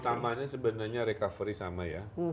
utamanya sebenarnya recovery sama ya